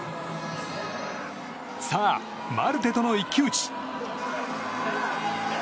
さあ、マルテとの一騎打ち。